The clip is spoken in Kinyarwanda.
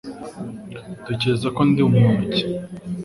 Utekereza ko ndi umuntu ki?